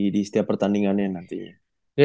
di setiap pertandingannya nantinya